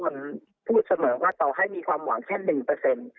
พูดเสมอว่าต่อให้มีความหวังแค่๑